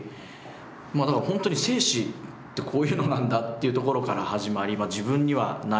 まあだから本当に「精子ってこういうのなんだ」っていうところから始まり自分にはない。